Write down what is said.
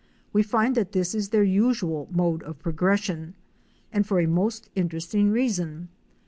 We find that this is their usual mode of progression, and for a most interesting reason.